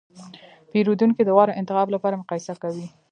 پیرودونکي د غوره انتخاب لپاره مقایسه کوي.